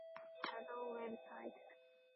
Shadow website